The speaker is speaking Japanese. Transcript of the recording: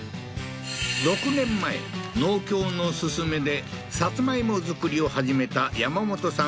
６年前農協の勧めでさつまいも作りを始めた山本さん